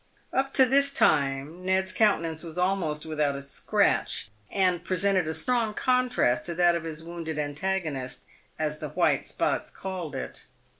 Up to this time, Ned's countenance was almost without a scratch, and presented a strong contrast to that of his wounded antagonist — as the white spots called it.